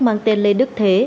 mang tên lê đức thế